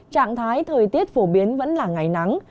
trạng thái thời tiết phổ biến vẫn là ngày nắng